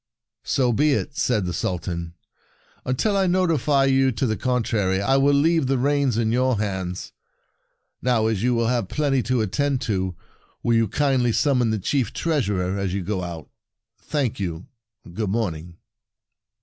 " So be it," said the Sultan. " Until I notify you to the con trary, I will leave the reins in your hands. Now, as you will have plenty to attend to, will you kindly summon the Chief Treasurer as you go out? Thank you. Good morning!